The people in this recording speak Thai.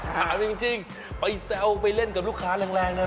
ถามจริงไปแซวไปเล่นกับลูกค้าแรงนะ